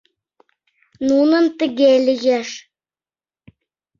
Нунын тыге лиеш.